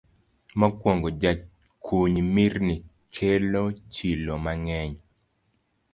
Mokwongo, jakuny mirni kelo chilo mang'eny